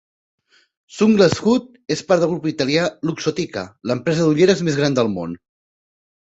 Sunglass Hut és part del grup italià Luxottica, l'empresa de ulleres més gran del món.